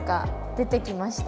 出てきました。